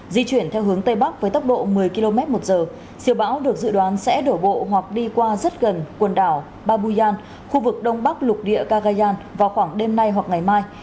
di chuyển theo hướng tây bắc với tốc độ một mươi km một giờ siêu bão được dự đoán sẽ đổ bộ hoặc đi qua rất gần quần đảo babuyan khu vực đông bắc lục địa cagayan vào khoảng đêm nay hoặc ngày mai